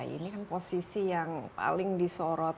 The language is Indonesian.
ini kan posisi yang paling disorot